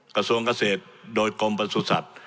กระทรวงเกษตรโดยกรมประสุทธิ์